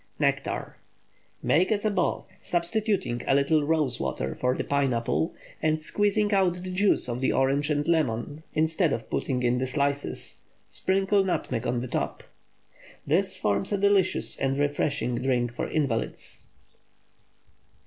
NECTAR. ✠ Make as above, substituting a little rose water for the pineapple, and squeezing out the juice of the orange and lemon, instead of putting in the slices. Sprinkle nutmeg on the top. This forms a delicious and refreshing drink for invalids.